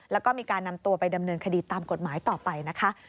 แล้วก็มีการนำตัวไปดำเนินคดีตามกฎหมายต่อไปนะคะ